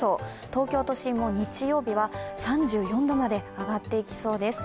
東京都心も日曜日は３４度まで上がっていきそうです。